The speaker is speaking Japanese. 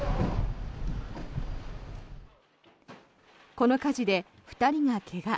この火事で２人が怪我。